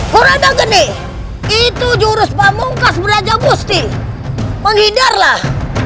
kurana geni itu jurus pamungkas raja musti menghindarlah